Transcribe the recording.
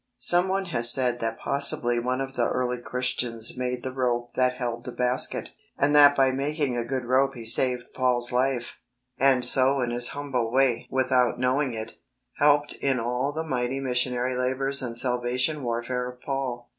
Some one has said that possibly one of the early Christians made the rope that held the basket, and that by making a good rope he saved Paul's life ; HOLINESS AND DUTY 8l and so in his humble way, without knowing it, helped in all the mighty missionary labours and Salvation warfare of Paul.